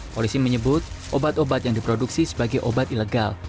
polisi menyebut obat obat yang diproduksi sebagai obat ilegal